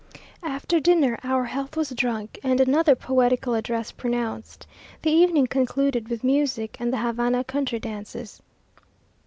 After dinner our health was drank, and another poetical address pronounced. The evening concluded with music and the Havana country dances.